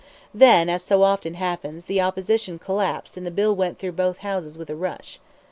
Then, as so often happens, the opposition collapsed and the bill went through both houses with a rush.